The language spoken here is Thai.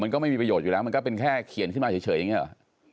ก็ไม่มีประโยชน์อยู่แล้วมันก็เป็นแค่เขียนขึ้นมาเฉยอย่างนี้หรอ